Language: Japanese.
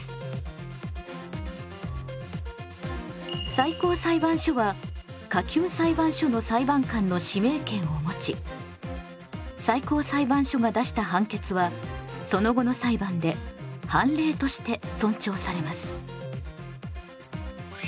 最高裁判所は下級裁判所の裁判官の指名権をもち最高裁判所が出した判決はその後の裁判で判例として尊重されます。